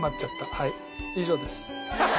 はい以上です。